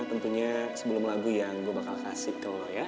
tentunya sebelum lagu yang gue bakal kasih ke lo ya